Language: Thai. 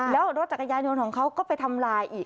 แล้วรถจักรยานยนต์ของเขาก็ไปทำลายอีก